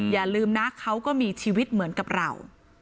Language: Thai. อย่าลืมนะเขาก็มีชีวิตเหมือนกับเรา